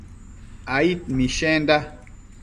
aid mishenda